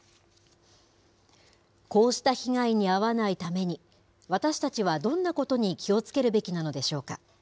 こうした被害に遭わないために、私たちはどんなことに気をつけるべきなのでしょうか。